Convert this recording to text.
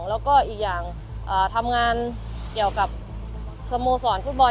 สวัสดีครับที่ได้รับความรักของคุณ